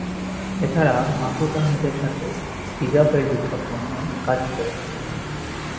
এছাড়া মাহফুজ আহমেদের সাথে "ফিজ-আপ" এর বিজ্ঞাপনে কাজ করেন।